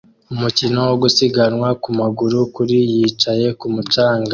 Umukino wo gusiganwa ku maguru kuri yicaye kumu canga